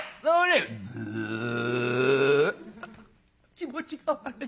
「気持ちが悪い」。